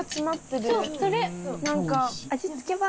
そうそれ！